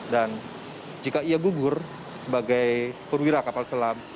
dan jika ia gugur sebagai purwira kapal selam